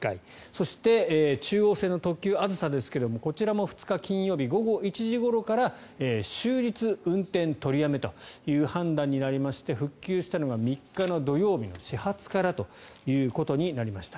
そして、中央線の特急あずさですがこちらも２日金曜日午後１時ごろから終日運転取りやめという判断になりまして復旧したのが３日の土曜日の始発からということになりました。